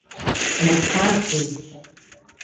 Yma kath dhis.